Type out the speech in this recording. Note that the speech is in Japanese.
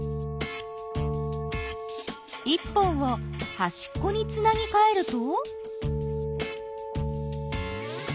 １本をはしっこにつなぎかえると？